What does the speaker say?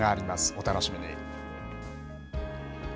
お楽しみに。